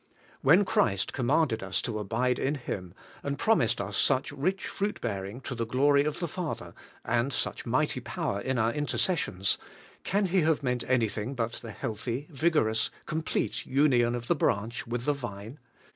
When Christ commanded us to abide in Him, and promised us such rich fruit bearing to the glory of the Father, and such mighty power in our intercessions, can He have meant anything but the healthy, vigorous, complete union of the branch with the vine?